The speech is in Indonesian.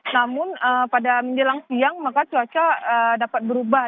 namun pada menjelang siang maka cuaca dapat berubah